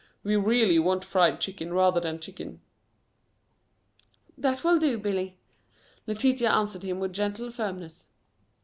We really want fried chicken rather than chicken " "That will do, Billy," Letitia answered him with gentle firmness.